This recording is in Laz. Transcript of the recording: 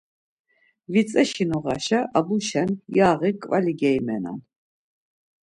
Vitzeşi noğaşa Abuşen yaği, ǩvali geimenan.